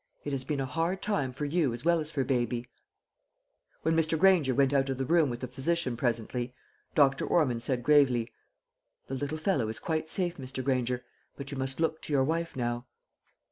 It has been a hard time for you as well as for baby." When Mr. Granger went out of the room with the physician presently, Dr. Ormond said gravely, "The little fellow is quite safe, Mr. Granger; but you must look to your wife now."